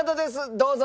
どうぞ！